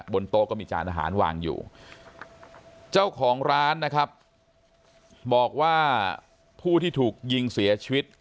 บนโต๊ะก็มีจานอาหารวางอยู่เจ้าของร้านนะครับบอกว่าผู้ที่ถูกยิงเสียชีวิต